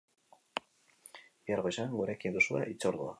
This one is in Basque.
Bihar goizean gurekin duzue hitzordua!